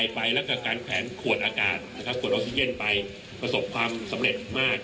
ไปแล้วก็การแขวนขวดอากาศขวดออกซิเจนไปประสบความสำเร็จมาก